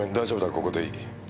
ここでいい。